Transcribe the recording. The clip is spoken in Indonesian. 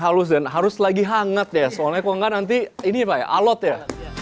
halus dan harus lagi hangat ya soalnya kok enggak nanti ini pak ya alot ya